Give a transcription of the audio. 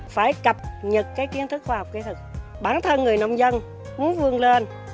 phải cập nhật cái kiến thức khoa học kỹ thực bản thân người nông dân muốn vươn lên